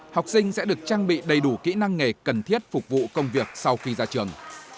học sinh sẽ được trang bị đầy đủ kỹ năng nghề cần thiết phục vụ công việc sau khi ra trường